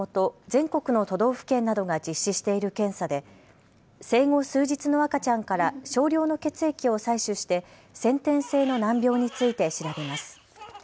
全国の都道府県などが実施している検査で生後数日の赤ちゃんから少量の血液を採取して先天性の難病について調べます。